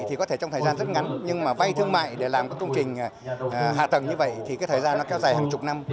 thì có thể trong thời gian rất ngắn nhưng mà vay thương mại để làm các công trình hạ tầng như vậy thì cái thời gian nó kéo dài hàng chục năm